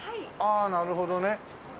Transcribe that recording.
ああなるほどね。